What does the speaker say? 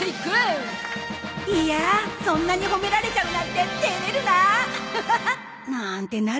いやあそんなにほめられちゃうなんて照れるな！